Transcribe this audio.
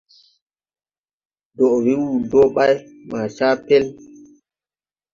Dɔʼ wee wuu dɔɔ ɓay maa caa pel.